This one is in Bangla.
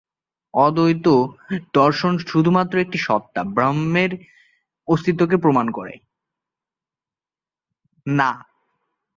অদ্বৈত দর্শন শুধুমাত্র একটি সত্ত্বা, ব্রহ্মের অস্তিত্বকে প্রমাণ করে।